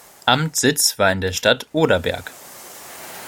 Amtssitz war in der Stadt Oderberg.